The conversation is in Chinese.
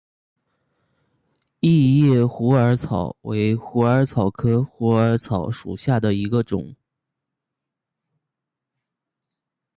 异叶虎耳草为虎耳草科虎耳草属下的一个种。